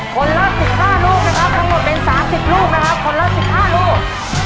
คนละสิบห้าลูกนะครับทั้งหมดเป็นสามสิบลูกนะครับคนละสิบห้าลูก